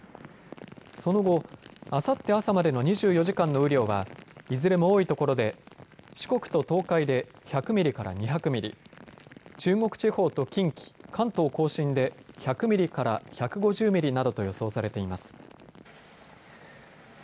その後、あさって朝までの２４時間の雨量はいずれも多いところで四国と東海で１００ミリから２００ミリ、中国地方と近畿、関東甲信で１００ミリから１５０ミリなどと予想されています。